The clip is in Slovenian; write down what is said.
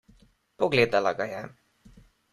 Pogledala ga je.